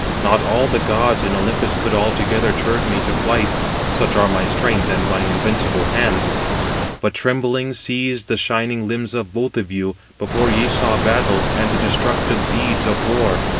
Not all the gods in Olympus could altogether turn me to flight, such are my strength and my invincible hands. But trembling seized the shining limbs of both of you, before ye saw battle, and the destructive deeds of war.